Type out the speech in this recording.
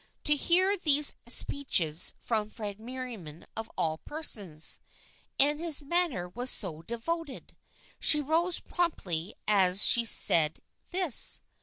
To hear these speeches from Fred Merriam of all persons ! And his manner was so devoted ! She rose promptly as she said this.